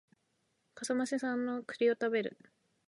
笠間市産の栗を食べる